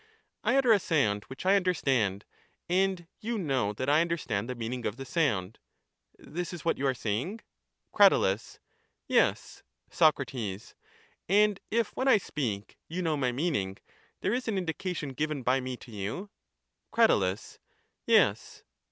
I utter a sound which I understand, and you know that I understand the meaning of the sound: this is what you are saying? Crat. Yes. Soc. And if when I speak you know my meaning, there is an indication given by me to you? Crat. Yes.